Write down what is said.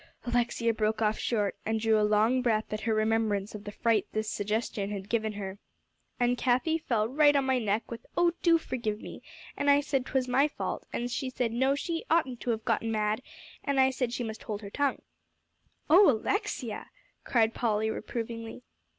Alexia broke off short, and drew a long breath at her remembrance of the fright this suggestion had given her. "And Cathie fell right on my neck with, 'Oh, do forgive me,' and I said 'twas my fault, and she said, no, she oughtn't to have got mad, and I said she must hold her tongue." "Oh Alexia!" cried Polly reprovingly.